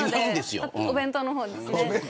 お弁当の方ですね。